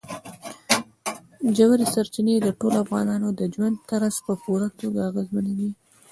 ژورې سرچینې د ټولو افغانانو د ژوند طرز په پوره توګه اغېزمنوي.